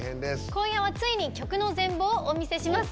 今夜はついに曲の全貌をお見せします。